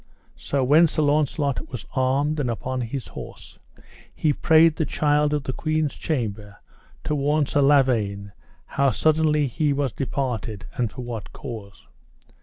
So when Sir Launcelot was armed and upon his horse, he prayed the child of the queen's chamber to warn Sir Lavaine how suddenly he was departed, and for what cause.